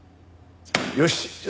よしじゃあ